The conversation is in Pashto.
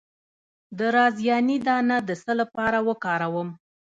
د رازیانې دانه د څه لپاره وکاروم؟